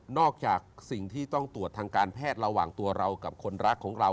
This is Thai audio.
จากสิ่งที่ต้องตรวจทางการแพทย์ระหว่างตัวเรากับคนรักของเรา